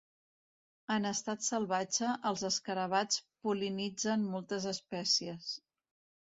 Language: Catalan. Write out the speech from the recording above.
En estat salvatge, els escarabats pol·linitzen moltes espècies.